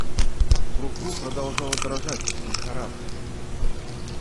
Фру-Фру продолжала дрожать, как в лихорадке.